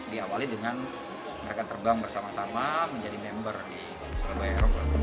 diawali dengan mereka terbang bersama sama menjadi member di surabaya eropa